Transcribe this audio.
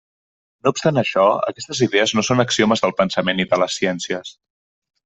No obstant això, aquestes idees no són axiomes del pensament i de les ciències.